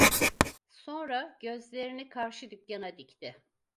Sonra, gözlerini karşı dükkana dikti.